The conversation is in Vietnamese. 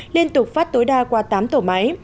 liên tục phát tối đa qua tám tổ máy